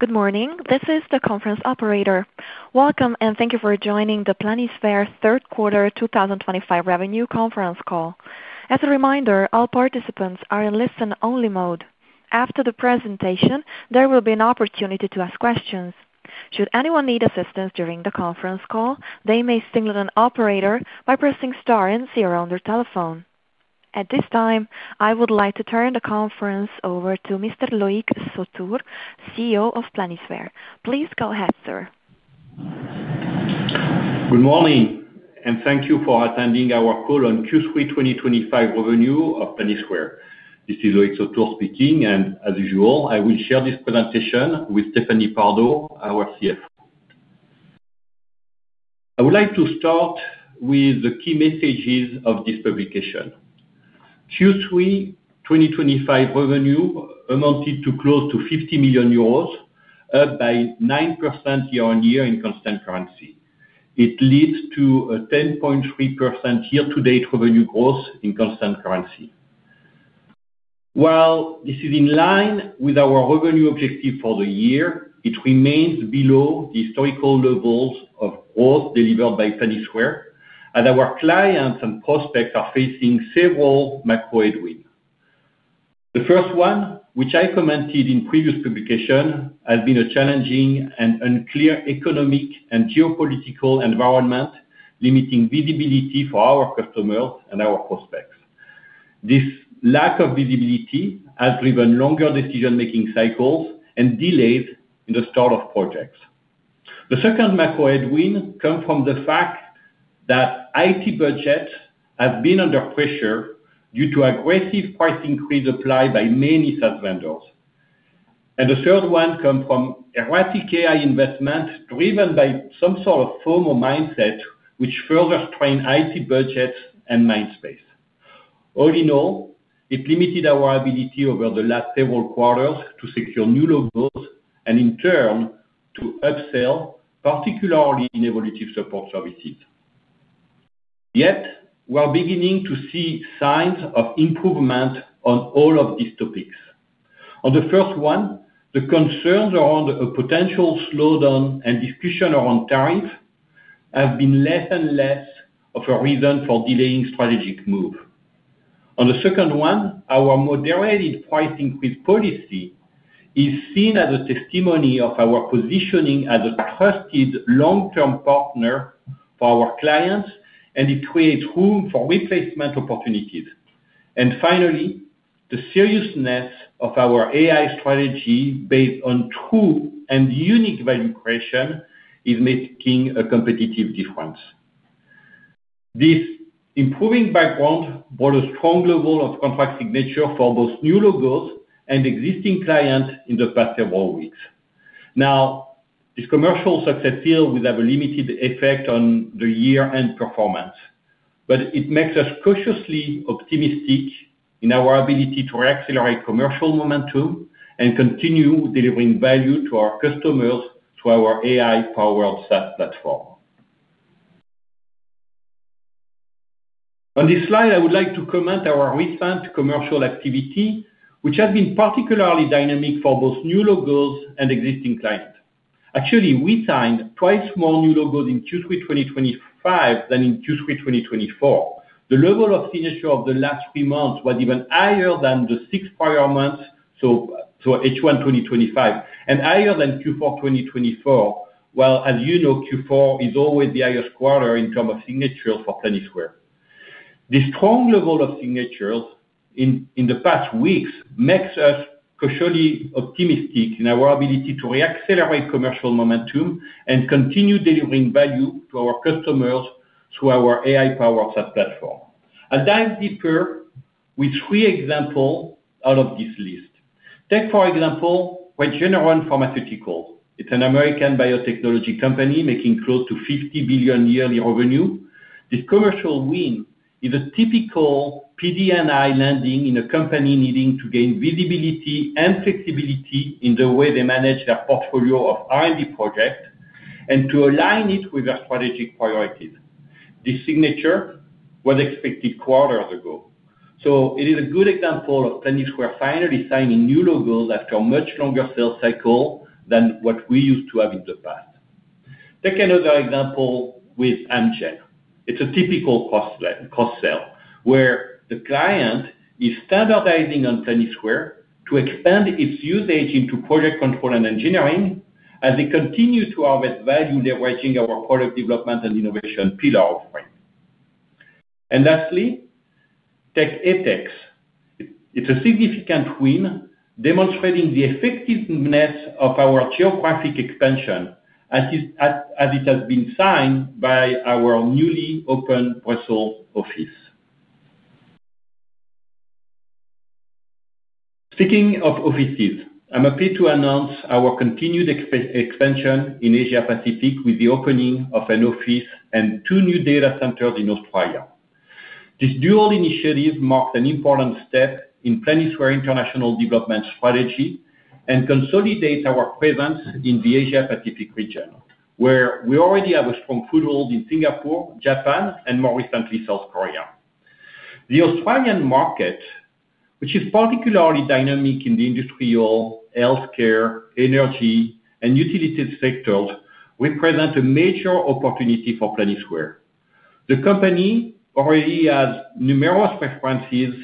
Good morning. This is the conference operator. Welcome, and thank you for joining the Planisware Third Quarter 2025 Revenue Conference Call. As a reminder, all participants are in listen-only mode. After the presentation, there will be an opportunity to ask questions. Should anyone need assistance during the conference call, they may signal an operator by pressing star and zero on their telephone. At this time, I would like to turn the conference over to Mr. Loïc Sautour, CEO of Planisware. Please go ahead, sir. Good morning, and thank you for attending our call on Q3 2025 revenue of Planisware. This is Loïc Sautour speaking, and as usual, I will share this presentation with Stéphanie Pardo, our CFO. I would like to start with the key messages of this publication. Q3 2025 revenue amounted to close to 50 million euros, up by 9% year-on-year in constant currency. It leads to a 10.3% year-to-date revenue growth in constant currency. While this is in line with our revenue objective for the year, it remains below the historical levels of growth delivered by Planisware, as our clients and prospects are facing several macroeconomic headwinds. The first one, which I commented in a previous publication, has been a challenging and unclear economic and geopolitical environment, limiting visibility for our customers and our prospects. This lack of visibility has driven longer decision-making cycles and delays in the start of projects. The second macroeconomic headwind comes from the fact that IT budgets have been under pressure due to aggressive price increases applied by many SaaS vendors. The third one comes from erratic AI investments driven by some sort of PMO mindset, which further strained IT budgets and mind space. All in all, it limited our ability over the last several quarters to secure new logos and, in turn, to upsell, particularly in evolutive support services. Yet, we're beginning to see signs of improvement on all of these topics. On the first one, the concerns around a potential slowdown and discussion around tariffs have been less and less of a reason for delaying strategic moves. On the second one, our moderated price increase policy is seen as a testimony of our positioning as a trusted long-term partner for our clients, and it creates room for replacement opportunities. Finally, the seriousness of our AI strategy based on true and unique value creation is making a competitive difference. This improving background brought a strong level of contract signature for both new logos and existing clients in the past several weeks. Now, this commercial success here will have a limited effect on the year-end performance, but it makes us cautiously optimistic in our ability to re-accelerate commercial momentum and continue delivering value to our customers through our AI-powered SaaS platform. On this slide, I would like to comment on our recent commercial activity, which has been particularly dynamic for both new logos and existing clients. Actually, we signed twice more new logos in Q3 2025 than in Q3 2024. The level of signature of the last three months was even higher than the six prior months, so H1 2025, and higher than Q4 2024, while, as you know, Q4 is always the highest quarter in terms of signatures for Planisware. This strong level of signatures in the past weeks makes us cautiously optimistic in our ability to re-accelerate commercial momentum and continue delivering value to our customers through our AI-powered SaaS platform. I'll dive deeper with three examples out of this list. Take, for example, Regeneron Pharmaceuticals. It's an American biotechnology company making close to 50 billion yearly revenue. This commercial win is a typical PD&I landing in a company needing to gain visibility and flexibility in the way they manage their portfolio of R&D projects and to align it with their strategic priorities. This signature was expected quarters ago. It is a good example of Planisware finally signing new logos after a much longer sales cycle than what we used to have in the past. Take another example with Amgen. It's a typical cross-sell where the client is standardizing on Planisware to expand its usage into project control and engineering as they continue to harvest value leveraging our product development and innovation pillar offerings. Lastly, take Apex. It's a significant win demonstrating the effectiveness of our geographic expansion as it has been signed by our newly opened Brussels office. Speaking of offices, I'm happy to announce our continued expansion in Asia-Pacific with the opening of an office and two new data centers in Australia. This dual initiative marks an important step in Planisware's international development strategy and consolidates our presence in the Asia-Pacific region, where we already have a strong foothold in Singapore, Japan, and more recently, South Korea. The Australian market, which is particularly dynamic in the industrial, healthcare, energy, and utilities sectors, represents a major opportunity for Planisware. The company already has numerous references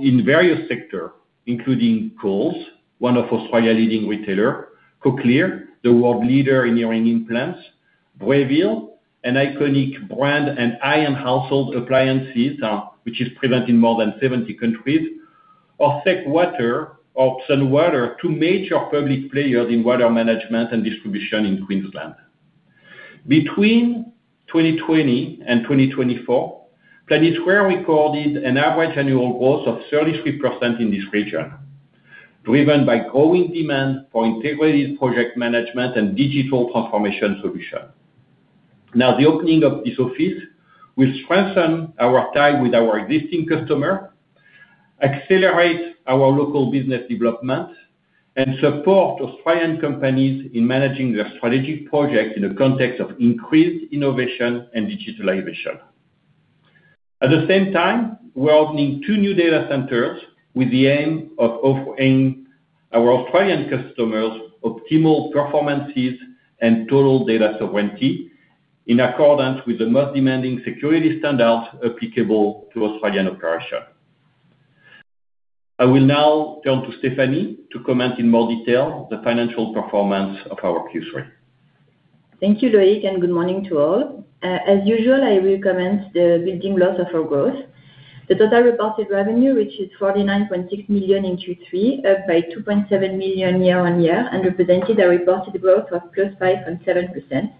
in various sectors, including Coles, one of Australia's leading retailers, Cochlear, the world leader in hearing implants, Breville, an iconic brand in household appliances, which is present in more than 70 countries, or Seqwater or Sunwater, two major public players in water management and distribution in Queensland. Between 2020 and 2024, Planisware recorded an average annual growth of 33% in this region, driven by growing demand for integrated project management and digital transformation solutions. Now, the opening of this office will strengthen our tie with our existing customers, accelerate our local business development, and support Australian companies in managing their strategic projects in a context of increased innovation and digitalization. At the same time, we're opening two new data centers with the aim of offering our Australian customers optimal performance and total data sovereignty in accordance with the most demanding security standards applicable to Australian operations. I will now turn to Stéphanie to comment in more detail the financial performance of our Q3. Thank you, Loïc, and good morning to all. As usual, I will comment on the building blocks of our growth. The total reported revenue, which is 49.6 million in Q3, up by 2.7 million year-on-year, represented a reported growth of +5.7%.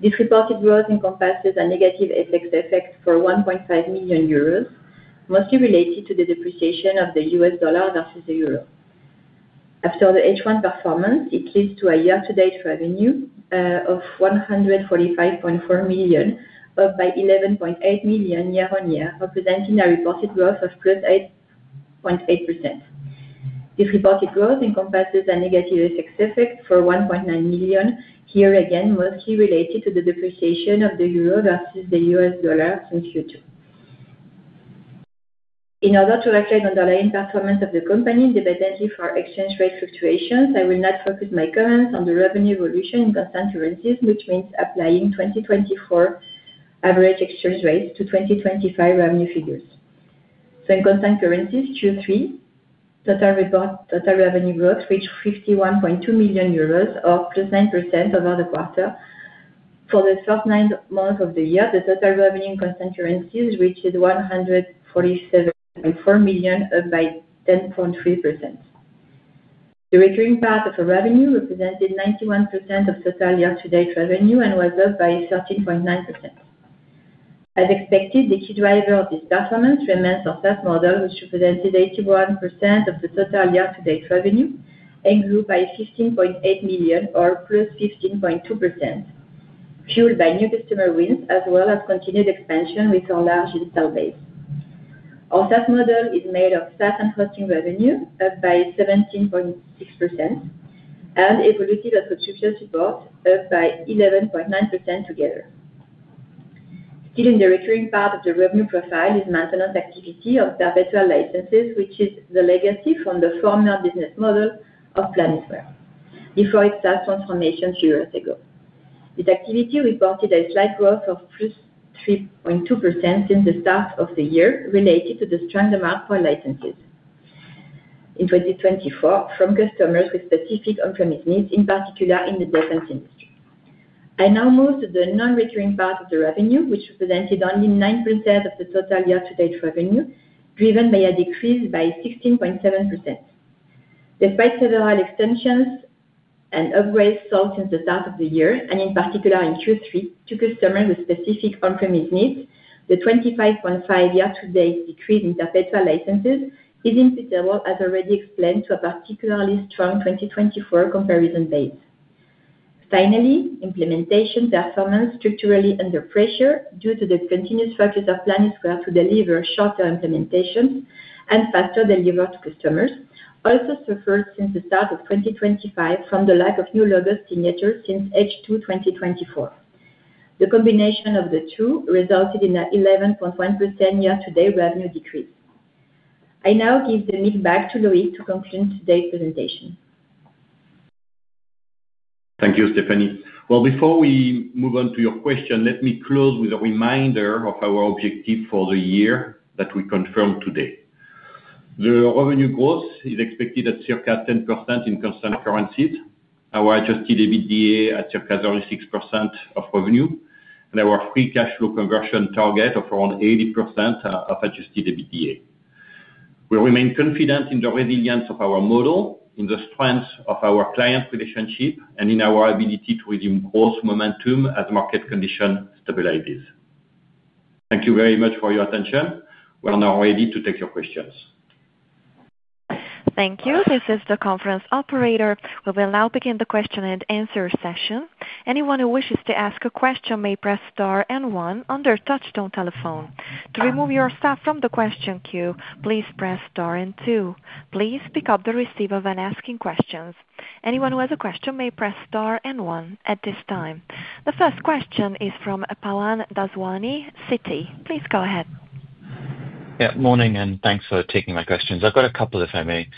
This reported growth encompasses a negative Apex effect for 1.5 million euros, mostly related to the depreciation of the U.S. dollar versus the euro. After the H1 performance, it leads to a year-to-date revenue of 145.4 million, up by 11.8 million year-on-year, representing a reported growth of +8.8%. This reported growth encompasses a negative Apex effect for 1.9 million, here again, mostly related to the depreciation of the euro versus the U.S. dollar since Q2. In order to reflect the underlying performance of the company independently of our exchange rate fluctuations, I will now focus my comments on the revenue evolution in constant currencies, which means applying 2024 average exchange rates to 2025 revenue figures. In constant currencies, Q3 total revenue growth reached 51.2 million euros or +9% over the quarter. For the first nine months of the year, the total revenue in constant currencies reached 147.4 million, up by 10.3%. The recurring part of revenue represented 91% of total year-to-date revenue and was up by 13.9%. As expected, the key driver of this performance remains our SaaS model, which represented 81% of the total year-to-date revenue and grew by 15.8 million or +15.2%, fueled by new customer wins as well as continued expansion with our large install base. Our SaaS model is made of SaaS and hosting revenue, up by 17.6%, and evolutive or subscription support, up by 11.9% together. Still, in the recurring part of the revenue profile is maintenance activity on perpetual licenses, which is the legacy from the former business model of Planisware before its SaaS transformation a few years ago. This activity reported a slight growth of +3.2% since the start of the year related to the strong demand for licenses in 2024 from customers with specific on-premise needs, in particular in the defense industry. I now move to the non-recurring part of the revenue, which represented only 9% of the total year-to-date revenue, driven by a decrease by 16.7%. Despite several extensions and upgrades sold since the start of the year, and in particular in Q3, to customers with specific on-premise needs, the 25.5% year-to-date decrease in perpetual licenses is imputable, as already explained, to a particularly strong 2024 comparison base. Finally, implementation performance structurally under pressure due to the continuous focus of Planisware to deliver shorter implementations and faster delivery to customers also suffered since the start of 2025 from the lack of new logos signatures since H2 2024. The combination of the two resulted in an 11.1% year-to-date revenue decrease. I now give the mic back to Loïc to conclude today's presentation. Thank you, Stéphanie. Before we move on to your question, let me close with a reminder of our objective for the year that we confirmed today. The revenue growth is expected at circa 10% in constant currencies, our adjusted EBITDA at circa 36% of revenue, and our free cash flow conversion target of around 80% of adjusted EBITDA. We remain confident in the resilience of our model, in the strength of our client relationship, and in our ability to resume growth momentum as market conditions stabilize. Thank you very much for your attention. We are now ready to take your questions. Thank you. This is the conference operator. We will now begin the question-and-answer session. Anyone who wishes to ask a question may press star and one on your touch-tone telephone. To remove yourself from the question queue, please press star and two. Please pick up the receiver when asking questions. Anyone who has a question may press star and one at this time. The first question is from Pavan Daswani, Citi. Please go ahead. Yeah, morning, and thanks for taking my questions. I've got a couple, if I may.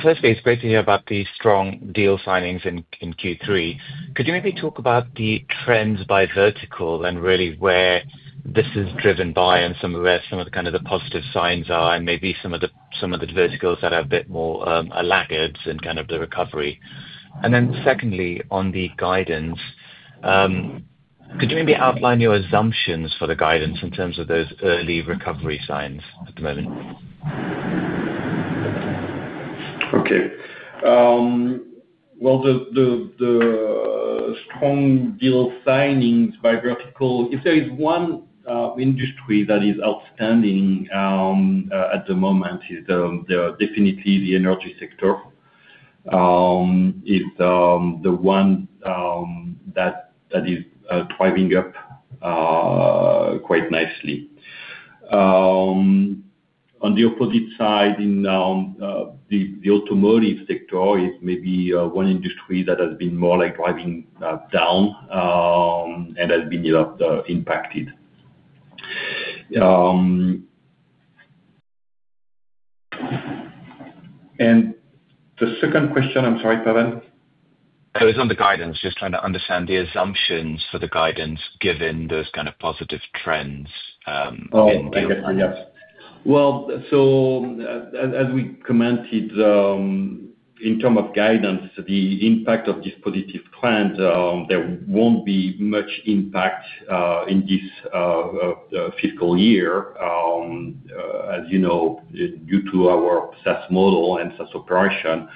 Firstly, it's great to hear about the strong deal signings in Q3. Could you maybe talk about the trends by vertical and really where this is driven by and some of where some of the kind of the positive signs are, and maybe some of the verticals that are a bit more laggards in kind of the recovery? Secondly, on the guidance, could you maybe outline your assumptions for the guidance in terms of those early recovery signs at the moment? Okay. The strong deal signings by vertical, if there is one industry that is outstanding at the moment, is definitely the energy sector. It's the one that is driving up quite nicely. On the opposite side, in the automotive sector, it's maybe one industry that has been more like driving down and has been impacted. The second question, I'm sorry, Pardon? On the guidance, just trying to understand the assumptions for the guidance given those kind of positive trends in deal signings. Yes, as we commented, in terms of guidance, the impact of this positive trend, there won't be much impact in this fiscal year. As you know, due to our SaaS model and SaaS operation,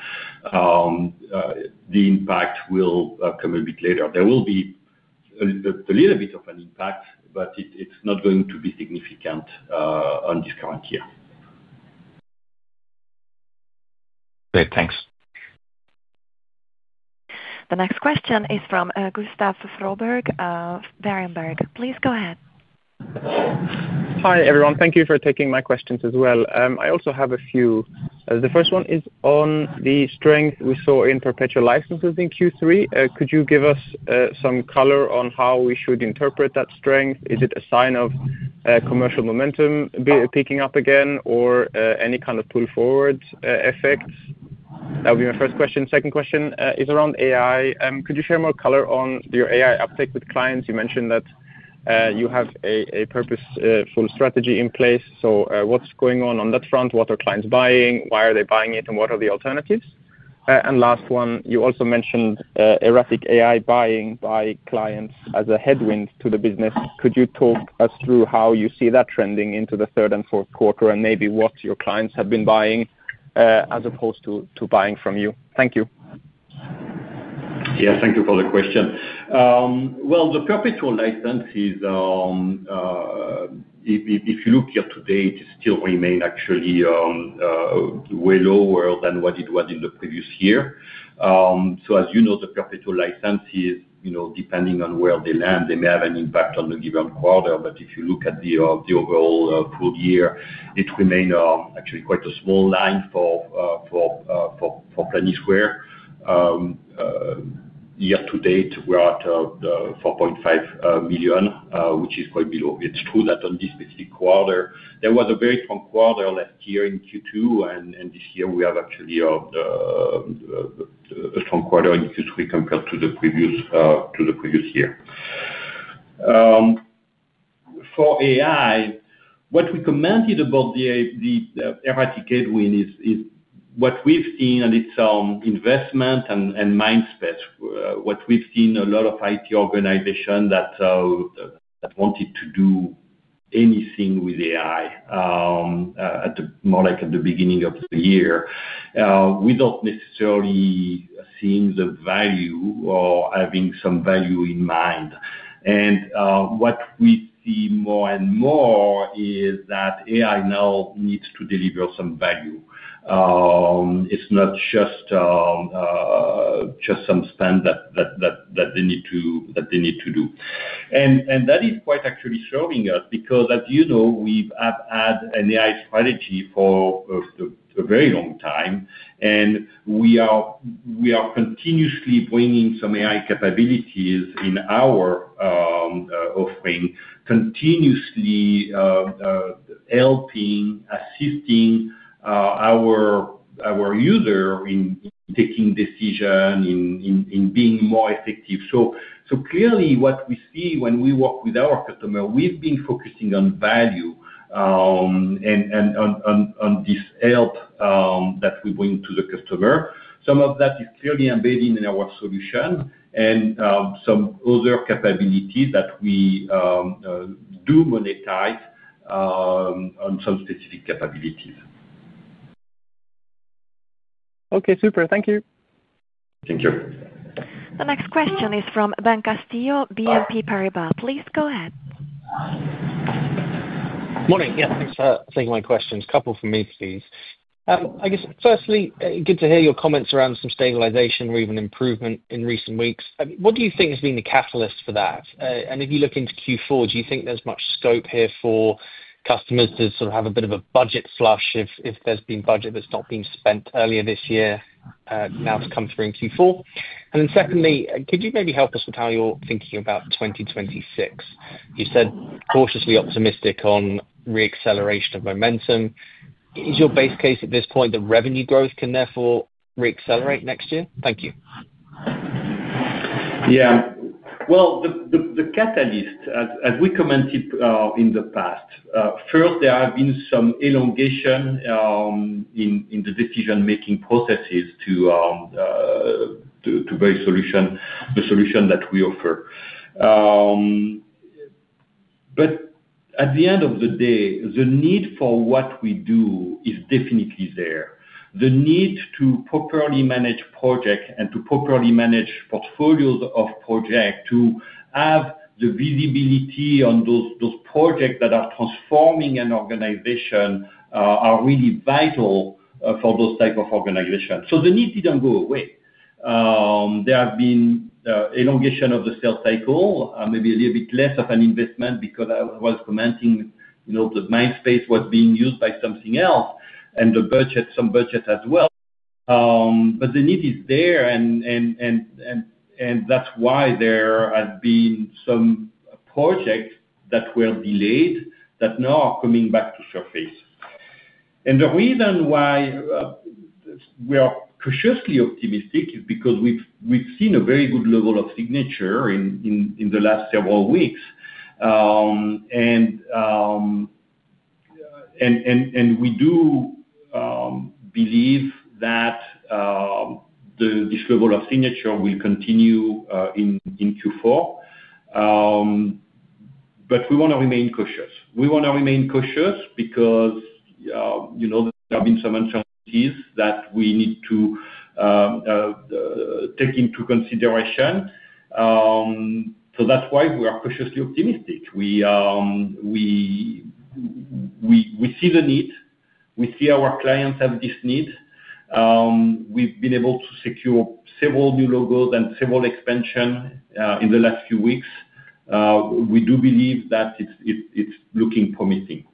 the impact will come a bit later. There will be a little bit of an impact, but it's not going to be significant on this current year. Great. Thanks. The next question is from Gustav Froberg of Berenberg. Please go ahead. Hi, everyone. Thank you for taking my questions as well. I also have a few. The first one is on the strength we saw in perpetual licenses in Q3. Could you give us some color on how we should interpret that strength? Is it a sign of commercial momentum picking up again or any kind of pull-forward effects? That would be my first question. My second question is around AI. Could you share more color on your AI uptake with clients? You mentioned that you have a purposeful strategy in place. What's going on on that front? What are clients buying? Why are they buying it, and what are the alternatives? Last one, you also mentioned erratic AI buying by clients as a headwind to the business. Could you talk us through how you see that trending into the third and fourth quarter and maybe what your clients have been buying as opposed to buying from you? Thank you. Thank you for the question. The perpetual licenses, if you look year-to-date, still remain actually way lower than what it was in the previous year. As you know, the perpetual licenses, depending on where they land, may have an impact on a given quarter. If you look at the overall full year, it remains actually quite a small line for Planisware. Year-to-date, we're at 4.5 million, which is quite below. It's true that on this specific quarter, there was a very strong quarter last year in Q2, and this year, we have actually a strong quarter in Q3 compared to the previous year. For AI, what we commented about the erratic headwind is what we've seen and its investment and mind space. What we've seen, a lot of IT organizations that wanted to do anything with AI more at the beginning of the year, without necessarily seeing the value or having some value in mind. What we see more and more is that AI now needs to deliver some value. It's not just some spend that they need to do. That is quite actually serving us because, as you know, we have had an AI strategy for a very long time, and we are continuously bringing some AI capabilities in our offering, continuously helping, assisting our user in taking decisions, in being more effective. Clearly, what we see when we work with our customers, we've been focusing on value and on this help that we bring to the customer. Some of that is clearly embedded in our solution and some other capabilities that we do monetize on some specific capabilities. Okay. Super. Thank you. Thank you. The next question is from Ben Castillo, BNP Paribas. Please go ahead. Morning. Yes, thanks for taking my questions. A couple for me, please. I guess, firstly, good to hear your comments around some stabilization or even improvement in recent weeks. What do you think has been the catalyst for that? If you look into Q4, do you think there's much scope here for customers to sort of have a bit of a budget flush if there's been budget that's not been spent earlier this year now to come through in Q4? Secondly, could you maybe help us with how you're thinking about 2026? You said cautiously optimistic on re-acceleration of momentum. Is your base case at this point that revenue growth can therefore re-accelerate next year? Thank you. Yeah. The catalyst, as we commented in the past, first, there have been some elongation in the decision-making processes to buy the solution that we offer. At the end of the day, the need for what we do is definitely there. The need to properly manage projects and to properly manage portfolios of projects, to have the visibility on those projects that are transforming an organization, are really vital for those types of organizations. The need didn't go away. There have been elongation of the sales cycle, maybe a little bit less of an investment because I was commenting that mind space was being used by something else and some budget as well. The need is there, and that's why there have been some projects that were delayed that now are coming back to surface. The reason why we are cautiously optimistic is because we've seen a very good level of signature in the last several weeks. We do believe that this level of signature will continue in Q4. We want to remain cautious. We want to remain cautious because there have been some uncertainties that we need to take into consideration. That's why we are cautiously optimistic. We see the need. We see our clients have this need. We've been able to secure several new logos and several expansions in the last few weeks. We do believe that it's looking promising.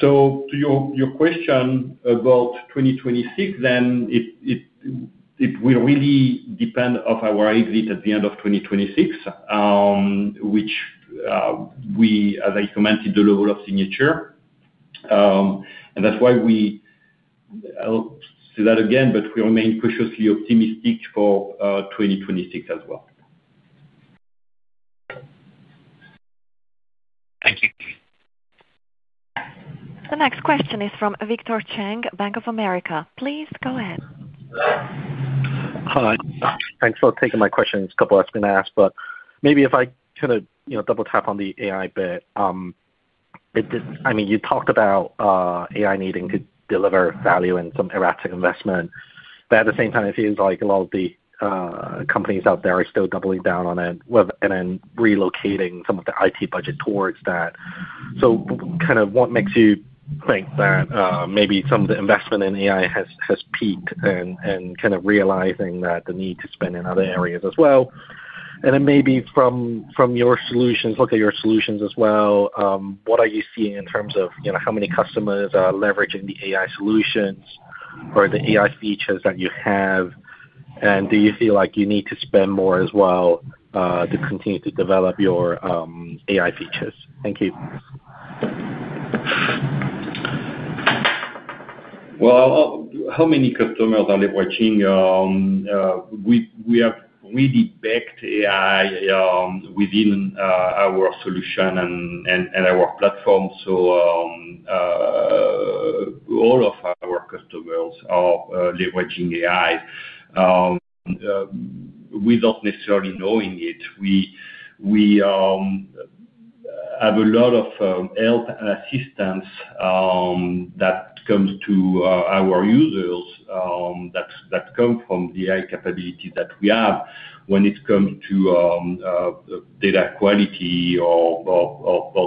To your question about 2026, then, it will really depend on our exit at the end of 2026, which we, as I commented, the level of signature. I'll say that again, but we remain cautiously optimistic for 2026 as well. Thank you. The next question is from Victor Cheng, Bank of America. Please go ahead. Hi. Thanks for taking my question. It's a couple I was going to ask, but maybe if I could double-tap on the AI bit. I mean, you talked about AI needing to deliver value and some erratic investment. At the same time, it feels like a lot of the companies out there are still doubling down on it and then relocating some of the IT budget towards that. What makes you think that maybe some of the investment in AI has peaked and kind of realizing that the need to spend in other areas as well? Maybe from your solutions, look at your solutions as well. What are you seeing in terms of how many customers are leveraging the AI solutions or the AI features that you have? Do you feel like you need to spend more as well to continue to develop your AI features? Thank you. How many customers are leveraging? We have really packed AI within our solution and our platform. All of our customers are leveraging AI without necessarily knowing it. We have a lot of help and assistance that comes to our users that come from the AI capabilities that we have when it comes to data quality or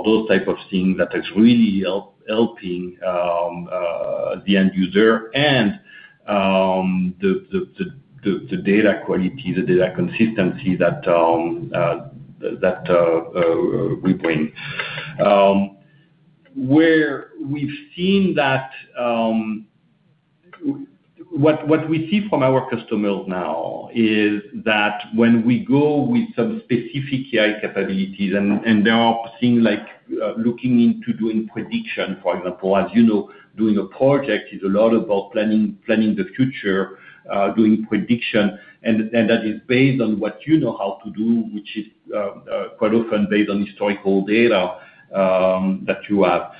those types of things that are really helping the end user and the data quality, the data consistency that we bring. What we see from our customers now is that when we go with some specific AI capabilities and they are seeing, like looking into doing prediction. For example, as you know, doing a project is a lot about planning the future, doing prediction. That is based on what you know how to do, which is quite often based on historical data that you have.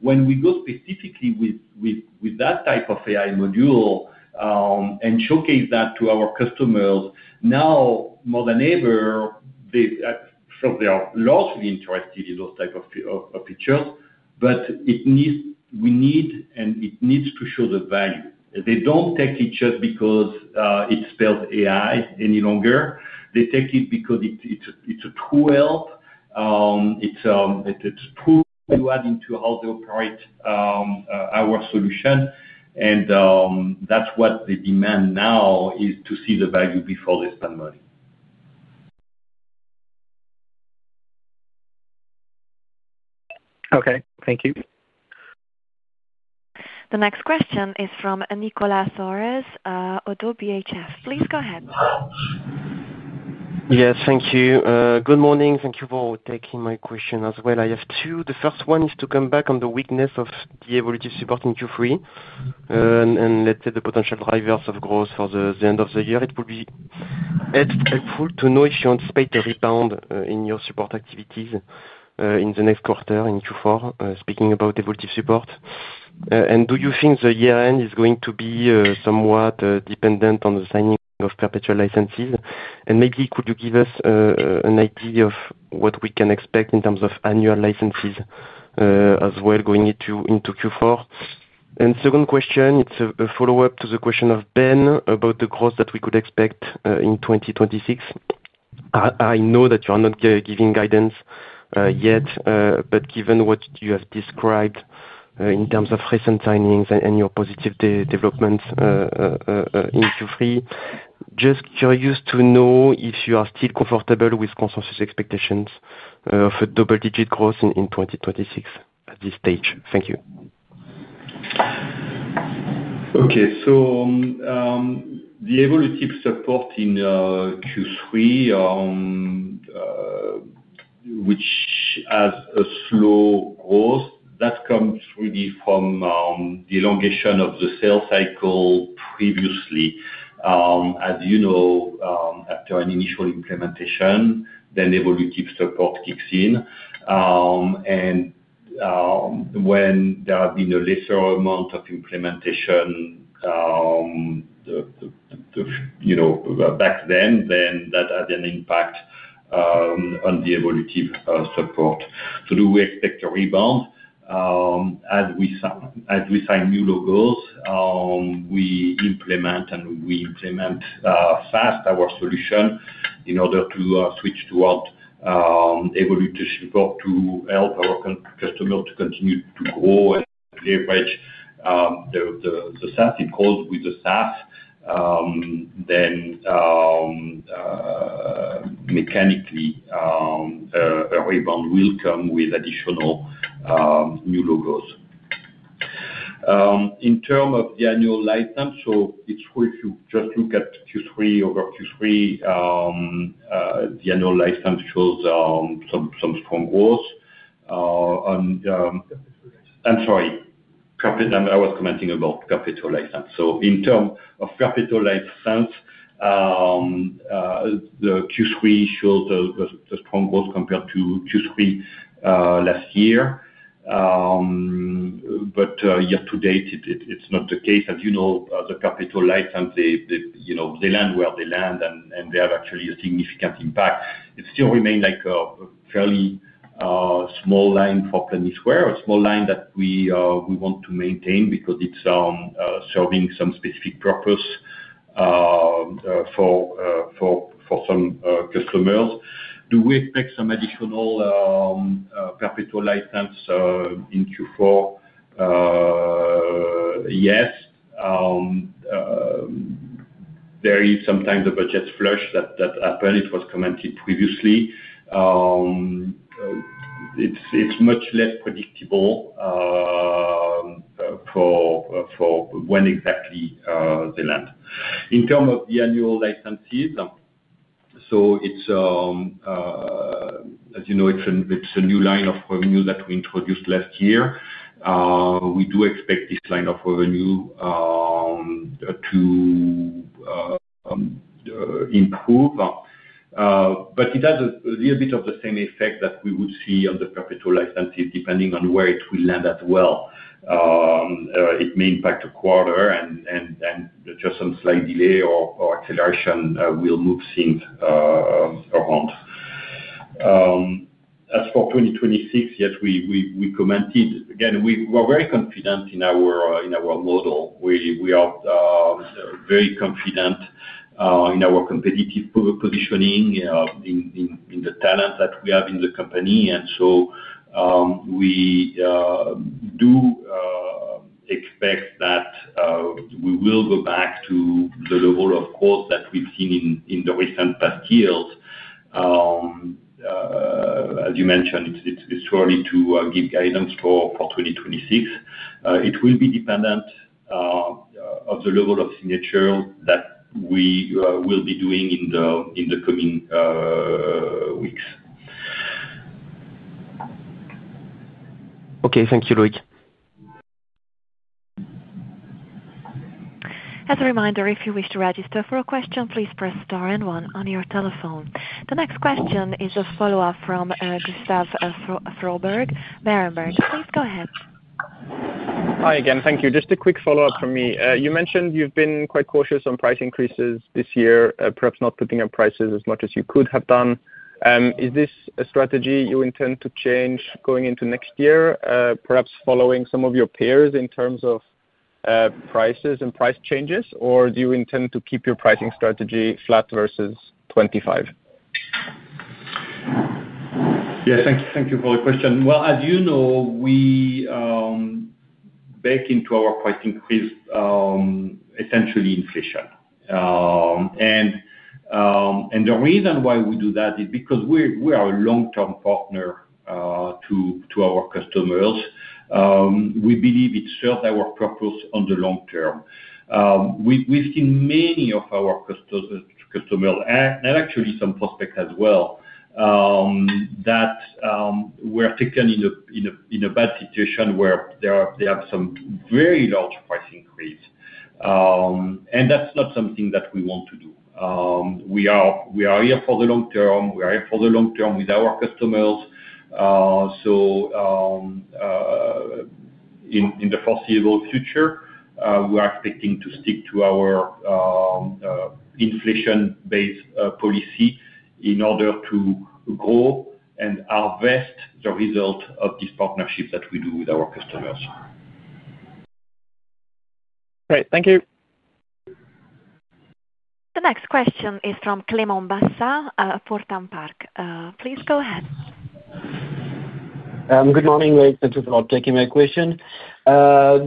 When we go specifically with that type of AI module and showcase that to our customers, now more than ever, first, they are largely interested in those types of features, but it needs, we need, and it needs to show the value. They don't take it just because it's spelled AI any longer. They take it because it's a true help. It's true value-add into how they operate our solution. That's what they demand now, to see the value before they spend money. Okay, thank you. The next question is from Nicolas Thorez, ODDO BHF. Please go ahead. Yes, thank you. Good morning. Thank you for taking my question as well. I have two. The first one is to come back on the weakness of the evolutive support in Q3, and the potential drivers of growth for the end of the year. It will be helpful to know if you anticipate a rebound in your support activities in the next quarter in Q4, speaking about evolutive support. Do you think the year-end is going to be somewhat dependent on the signing of perpetual licenses? Maybe could you give us an idea of what we can expect in terms of annual licenses as well going into Q4? The second question, it's a follow-up to the question of Ben about the growth that we could expect in 2026. I know that you are not giving guidance yet, but given what you have described in terms of recent signings and your positive developments in Q3, just curious to know if you are still comfortable with consensus expectations of a double-digit growth in 2026 at this stage. Thank you. Okay. The evolutive support in Q3, which has a slow growth, that comes really from the elongation of the sales cycle previously. As you know, after an initial implementation, then evolutive support kicks in. When there have been a lesser amount of implementation back then, that had an impact on the evolutive support. Do we expect a rebound? As we sign new logos, we implement and we implement fast our solution in order to switch toward evolutive support to help our customers to continue to grow and leverage the SaaS, the growth with the SaaS. Mechanically, a rebound will come with additional new logos. In terms of the annual license, it's true if you just look at Q3, over Q3, the annual license shows some strong growth. I'm sorry. I was commenting about perpetual license. In terms of perpetual license, Q3 shows a strong growth compared to Q3 last year. Year-to-date, it's not the case. As you know, the perpetual license, they land where they land, and they have actually a significant impact. It still remains like a fairly small line for Planisware, a small line that we want to maintain because it's serving some specific purpose for some customers. Do we expect some additional perpetual license in Q4? Yes. There is sometimes a budget flush that happens. It was commented previously. It's much less predictable for when exactly they land. In terms of the annual licenses, as you know, it's a new line of revenue that we introduced last year. We do expect this line of revenue to improve. It has a little bit of the same effect that we would see on the perpetual licenses, depending on where it will land as well. It may impact a quarter, and just some slight delay or acceleration will move things around. As for 2026, yes, we commented. We're very confident in our model. We are very confident in our competitive positioning in the talent that we have in the company. We do expect that we will go back to the level of growth that we've seen in the recent past years. As you mentioned, it's really to give guidance for 2026. It will be dependent on the level of signatures that we will be doing in the coming weeks. Okay. Thank you, Loïc. As a reminder, if you wish to register for a question, please press star and one on your telephone. The next question is a follow-up from Gustav Froberg, Berenberg. Please go ahead. Hi again. Thank you. Just a quick follow-up from me. You mentioned you've been quite cautious on price increases this year, perhaps not putting up prices as much as you could have done. Is this a strategy you intend to change going into next year, perhaps following some of your peers in terms of prices and price changes? Do you intend to keep your pricing strategy flat versus 2025? Thank you for the question. As you know, we're back into our price increase, essentially inflation. The reason why we do that is because we are a long-term partner to our customers. We believe it serves our purpose on the long term. We've seen many of our customers, and actually some prospects as well, that were taken in a bad situation where they have some very large price increase. That's not something that we want to do. We are here for the long term with our customers. In the foreseeable future, we are expecting to stick to our inflation-based policy in order to grow and harvest the result of this partnership that we do with our customers. Great. Thank you. The next question is from Clément Bassat, Portzamparc. Please go ahead. Good morning, Loïc. Thank you for taking my question.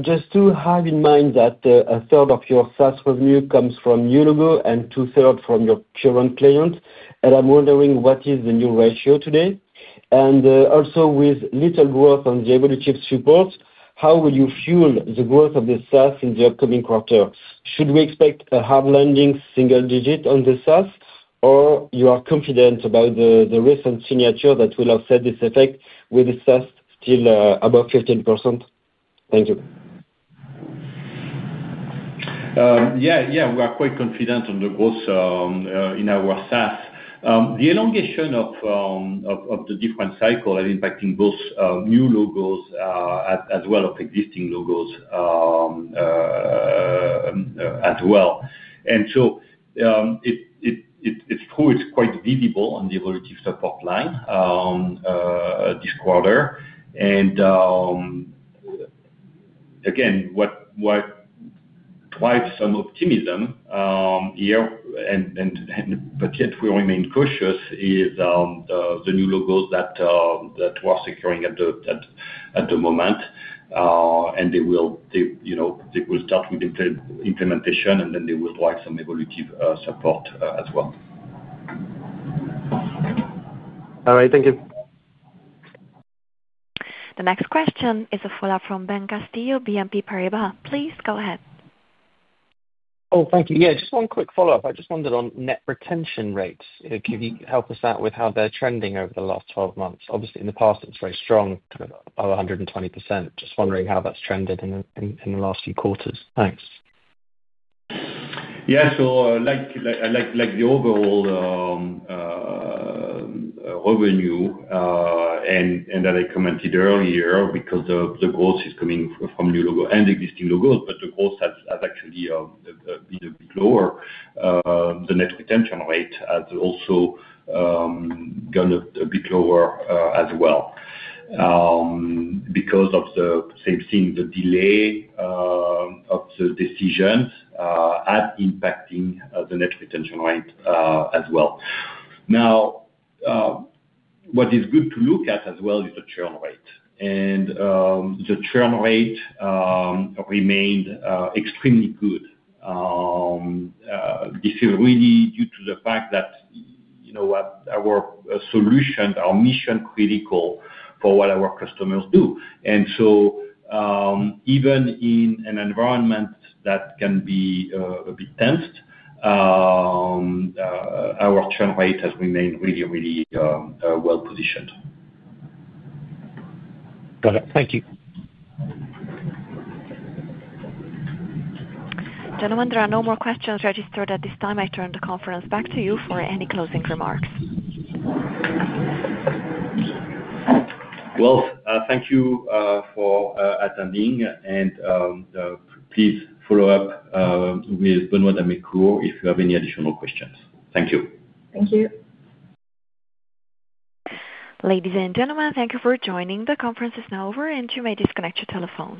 Just to have in mind that 1/3 of your SaaS revenue comes from new logos and 2/3 from your current clients, and I'm wondering what is the new ratio today? Also, with little growth on the evolutive support, how will you fuel the growth of the SaaS in the upcoming quarter? Should we expect a hard landing, single digit on the SaaS, or you are confident about the recent signature that will offset this effect with the SaaS still above 15%? Thank you. We are quite confident on the growth in our SaaS. The elongation of the different cycles is impacting both new logos as well as existing logos as well. It's true it's quite visible on the evolutive support line this quarter. What drives some optimism here, but yet we remain cautious, is the new logos that we're securing at the moment. They will start with implementation, and then they will drive some evolutive support as well. All right. Thank you. The next question is a follow-up from Ben Castillo, BNP Paribas. Please go ahead. Thank you. Yeah, just one quick follow-up. I just wondered on net retention rates. Could you help us out with how they're trending over the last 12 months? Obviously, in the past, it was very strong, kind of over 120%. Just wondering how that's trended in the last few quarters. Thanks. Yeah. The overall revenue that I commented earlier, because the growth is coming from new logos and existing logos, the growth has actually been a bit lower. The net retention rate has also gone a bit lower as well because of the same thing. The delay of the decisions is impacting the net retention rate as well. What is good to look at as well is the churn rate. The churn rate remained extremely good. This is really due to the fact that our solutions, our mission, are critical for what our customers do. Even in an environment that can be a bit tensed, our churn rate has remained really, really well positioned. Got it. Thank you. Gentlemen, there are no more questions registered at this time. I turn the conference back to you for any closing remarks. Thank you for attending. Please follow up with Benoit d'Amecourt if you have any additional questions. Thank you. Thank you. Ladies and gentlemen, thank you for joining. The conference is now over, and you may disconnect your telephones.